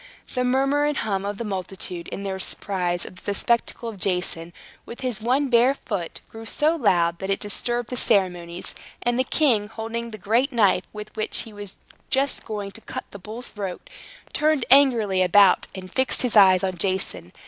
The murmur and hum of the multitude, in their surprise at the spectacle of Jason with his one bare foot, grew so loud that it disturbed the ceremonies; and the king, holding the great knife with which he was just going to cut the bull's throat, turned angrily about, and fixed his eyes on Jason.